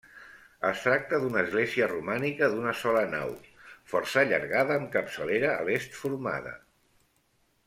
Es tracta d’una església romànica d’una sola nau, força allargada amb capçalera a l'est formada.